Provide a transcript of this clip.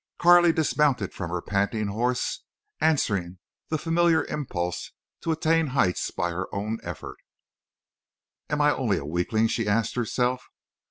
Carley dismounted from her panting horse, answering the familiar impulse to attain heights by her own effort. "Am I only a weakling?" she asked herself.